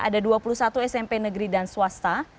ada dua puluh satu smp negeri dan swasta